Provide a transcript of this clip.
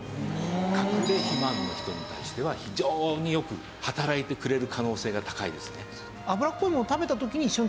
かくれ肥満の人に対しては非常によく働いてくれる可能性が高いですね。